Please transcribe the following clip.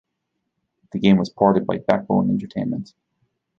The game was ported by Backbone Entertainment.